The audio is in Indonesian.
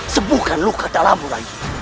sembuhkan luka dalammu rayi